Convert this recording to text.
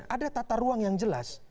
ada tata ruang yang jelas